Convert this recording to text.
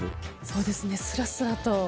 そうですねすらすらと。